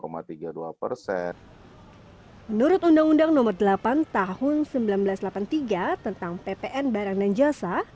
menurut undang undang nomor delapan tahun seribu sembilan ratus delapan puluh tiga tentang ppn barang dan jasa